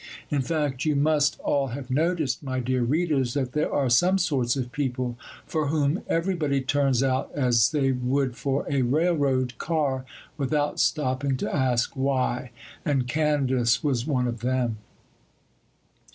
In fact, you must all have noticed, my dear readers, that there are some sorts of people for whom everybody turns out as they would for a railroad car, without stopping to ask why—and Candace was one of them.